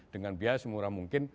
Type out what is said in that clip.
dengan biaya semurah mungkin